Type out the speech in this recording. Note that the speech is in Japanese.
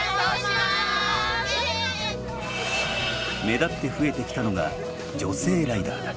目立って増えてきたのが女性ライダーだ。